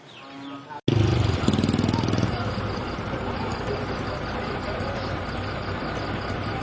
สุดท้ำอ่ะต้องกล้องเย็นอ่ะเอาตัดไปได้ครับได้